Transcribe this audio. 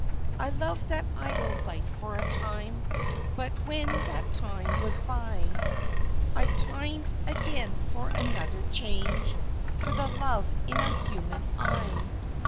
I loved that idle life for a time; But when that time was by, I pined again for another change, For the love in a human eye.